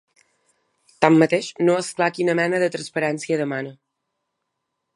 Tanmateix, no és clar quina mena de transparència demana.